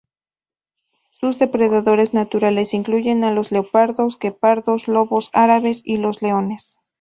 Sus depredadores naturales incluyen a leopardos, guepardos, lobos árabes, y los leones.